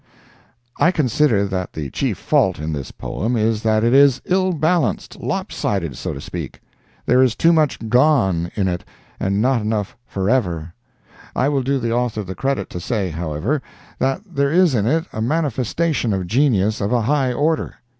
I consider that the chief fault in this poem is that it is ill balanced—lop sided, so to speak. There is too much "gone" in it, and not enough "forever." I will do the author the credit to say, however, that there is in it a manifestation of genius of a high order.